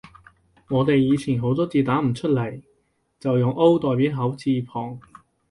我哋以前好多字打唔出來，就用 O 代表口字旁